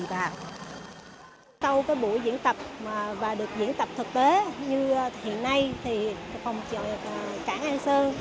sau buổi diễn tập và được diễn tập thực tế như hiện nay thì phòng chợ cảng an sơn